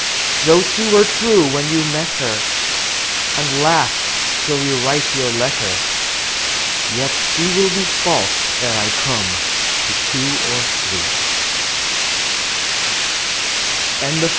Though she were true when you met her, And last till you write your letter, Yet she 25 Will be False, ere I come, to two